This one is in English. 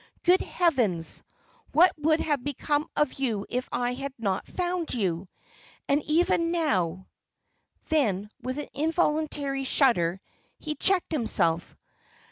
Good heavens! what would have become of you if I had not found you! And even now " Then, with an involuntary shudder, he checked himself.